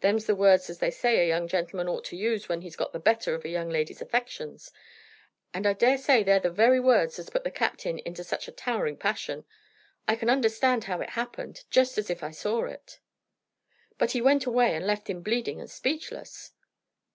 "Them's the words as they say a young gentleman ought to use when he's got the better of a young lady's affections; and I dare say they're the very words as put the captain into such a towering passion. I can understand how it happened, just as if I saw it." "But he went away, and left him bleeding and speechless."